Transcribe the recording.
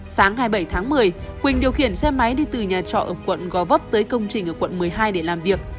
sáng hai mươi bảy tháng một mươi huỳnh điều khiển xe máy đi từ nhà trọ ở quận gò vấp tới công trình ở quận một mươi hai để làm việc